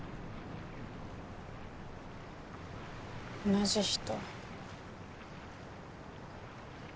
同じ人。